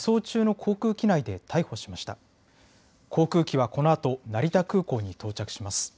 航空機はこのあと成田空港に到着します。